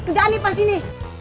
kejahatan pas ini